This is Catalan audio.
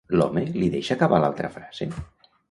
L'home li deixa acabar l'altra frase?